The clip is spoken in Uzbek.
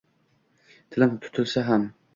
Tilim tutilsa ham…